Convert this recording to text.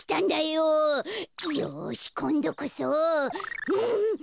よしこんどこそ。